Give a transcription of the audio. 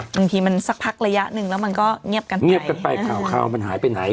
บางทีมันสักพักระยะหนึ่งแล้วมันก็เงียบกันไปเงียบกันไปข่าวมันหายไปไหน